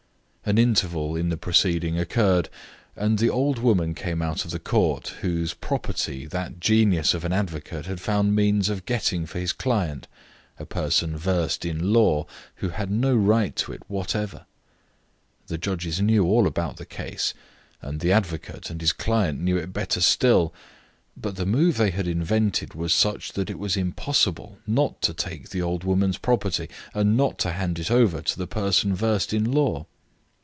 An interval in the proceeding occurred, and the old woman came out of the court, whose property that genius of an advocate had found means of getting for his client, a person versed in law who had no right to it whatever. The judges knew all about the case, and the advocate and his client knew it better still, but the move they had invented was such that it was impossible not to take the old woman's property and not to hand it over to the person versed in law.